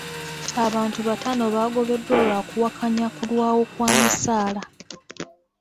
Abantu bataano baagobeddwa lwa kuwakanya kulwawo kwa misaala.